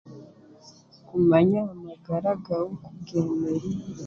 Kumanya amagara gaawe okugeemereire